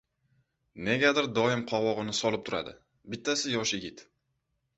Negadir doim qovog‘ini solib turadi. Bittasi yosh yigit.